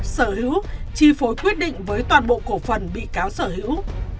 sở hữu chi phối quyết định với toàn bộ cổ phần bị cáo sở hữu